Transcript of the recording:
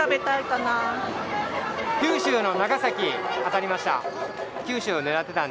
九州の長崎、当たりました。